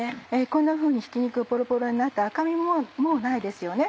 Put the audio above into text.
こんなふうにひき肉がポロポロになって赤身ももうないですよね。